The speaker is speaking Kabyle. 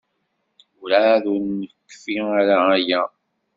Werɛad ur nekfi ara aya.